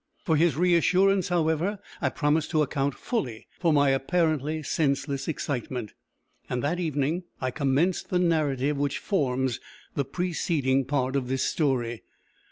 For his reassurance, however, I promised to account fully for my apparently senseless excitement; and that evening I commenced the narrative which forms the preceeding part of this story.